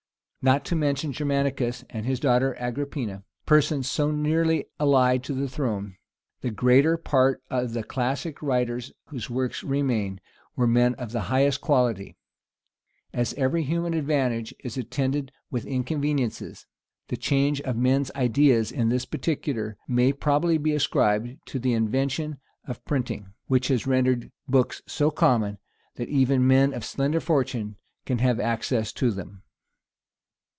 Not to mention Germanicus, and his daughter Agrippina, persons so nearly allied to the throne, the greater part of the classic writers whose works remain, were men of the highest quality. As every human advantage is attended with inconveniencies, the change of men's ideas in this particular may probably be ascribed to the invention of printing; which has rendered books so common, that even men of slender fortunes can have access to them.